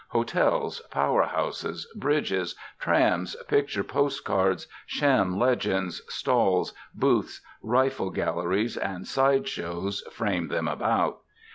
Hotels, powerhouses, bridges, trams, picture post cards, sham legends, stalls, booths, rifle galleries, and side shows frame them about.